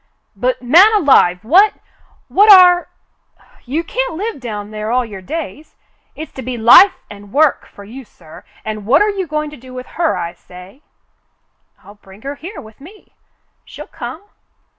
"But, man alive! what — what are — you can't live down there all your days. It's to be life and work for you, sir, and what are you going to do with her, I say?" "I'll bring her here with me. She'll come."